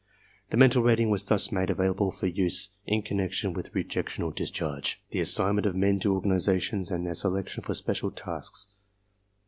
The mental rating was thus made available for use in connection with re jection or discharge, the assignment of men to organizations and their selection for special tasks.